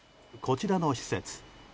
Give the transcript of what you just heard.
こちらの施設